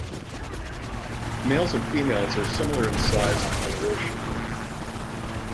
Males and females are similar in size and colouration.